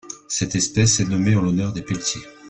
Cette espèce est nommée en l'honneur des Peltier.